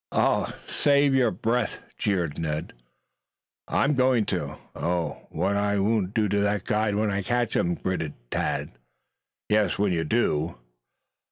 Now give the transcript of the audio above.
"Save your breath," jeered Ned. "I'm going to. Oh, what I won't do to that guide when I do catch him!" gritted Tad. "Yes, when you do."